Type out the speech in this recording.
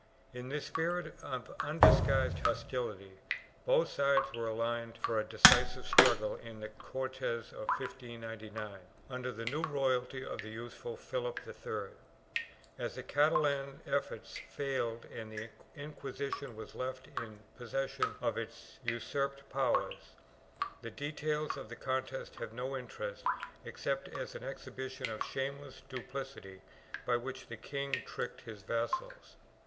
In this spirit of undisguised hostility both sides were aligned for a decisive struggle in the Cortes of 1599, under the new royalty of the youthful Philip III. As the Catalan efforts failed and the Inquisition was left in possession of its usurped powers, the details of the contest have no interest except as an exhibition of shameless duplicity, by which the king tricked his vassals.